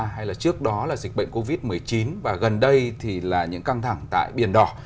hay là trước đó là dịch bệnh covid một mươi chín và gần đây thì là những căng thẳng tại biển đỏ